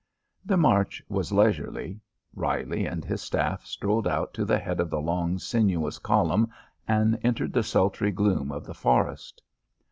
The march was leisurely. Reilly and his staff strolled out to the head of the long, sinuous column and entered the sultry gloom of the forest.